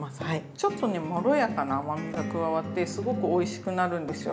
ちょっとねまろやかな甘みが加わってすごくおいしくなるんですよ。